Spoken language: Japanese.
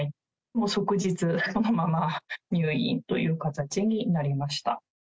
もう即日、そのまま入院という形になりました。